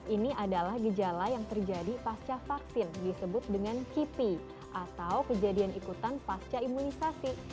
ini adalah gejala yang terjadi pasca vaksin disebut dengan kipi atau kejadian ikutan pasca imunisasi